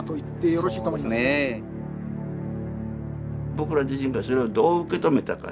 僕ら自身がそれをどう受け止めたか。